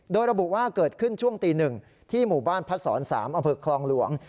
โดยระบุว่าเกิดขึ้นช่วงตี๑ที่หมู่บ้านพัดศร๓อำเภอคลองหลวง